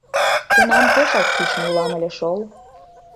Тунам пешак кӱшнӧ улам ыле шол.